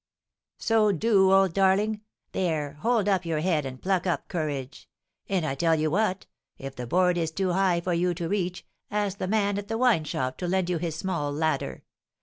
'" "So do, old darling! There, hold up your head and pluck up courage! And I tell you what, if the board is too high for you to reach, ask the man at the wine shop to lend you his small ladder.